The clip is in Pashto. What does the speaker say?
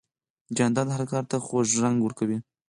جانداد هر کار ته خوږ رنګ ورکوي.